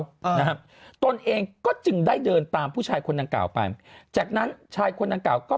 นะฮะตนเองก็จึงได้เดินตามผู้ชายคนนางเก่าไปจากนั้นชายคนนางเก่าก็